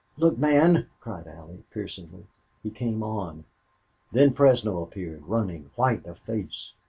"Look, man!" cried Allie, piercingly. He came on. Then Fresno appeared, running, white of face.